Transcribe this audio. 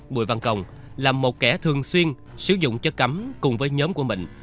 bùi văn công là một kẻ thường xuyên sử dụng chất cấm cùng với nhóm của mình